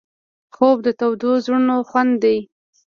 خوب د تودو زړونو خوند دی